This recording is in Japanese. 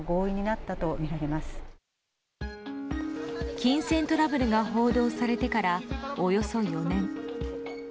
金銭トラブルが報道されてからおよそ４年。